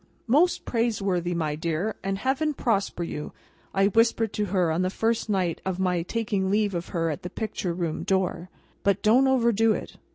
"Most praiseworthy, my dear, and Heaven prosper you!" I whispered to her on the first night of my taking leave of her at the Picture Room door, "but don't overdo it.